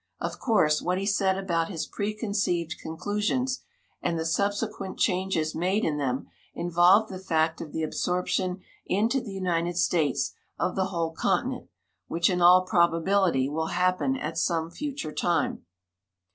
Of course, what he said about his preconceived conclusions, and the subsequent changes made in them, involved the fact of the absorption into the United States of the whole continent, which in all probability will happen at some future time.